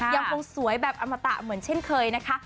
ยังคงสวยแบบอมตะเหมือนเช่นเคยนะคะ